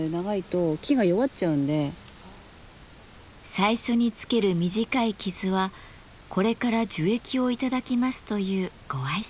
最初につける短い傷はこれから樹液を頂きますというご挨拶。